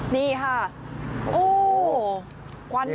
นี่ค่ะโอ้ว